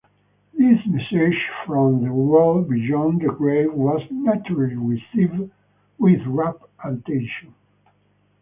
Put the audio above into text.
This message from the world beyond the grave was naturally received with rapt attention.